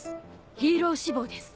ヒーロー志望です。